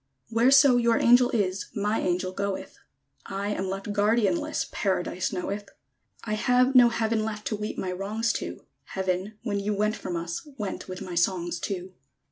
_ Whereso your angel is, My angel goeth; I am left guardianless, Paradise knoweth! I have no Heaven left To weep my wrongs to; Heaven, when you went from us, Went with my songs too.